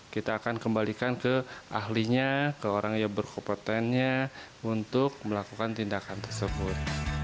kita akan kembalikan ke ahlinya ke orang yang berkompetennya untuk melakukan tindakan tersebut